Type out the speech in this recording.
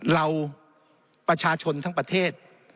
เราประชาชนทั้งประเทศ